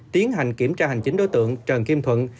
tiến hành kiểm tra hành chính đối tượng trần kim thuận